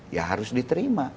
ya harus diterima